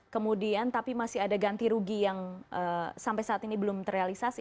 kemudian tapi masih ada ganti rugi yang sampai saat ini belum terrealisasi